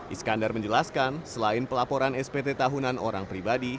iskandar menjelaskan selain pelaporan spt tahunan orang pribadi